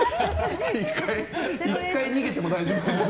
１回、逃げても大丈夫です。